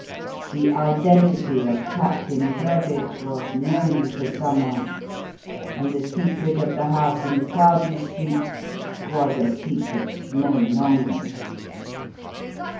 The identity of "Captain Burbage" was known to someone, and the secret of the house in Clarges Street was a secret no longer!